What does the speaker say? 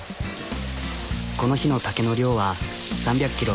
この日の竹の量は３００ｋｇ。